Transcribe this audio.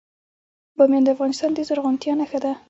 بامیان د افغانستان د زرغونتیا نښه ده.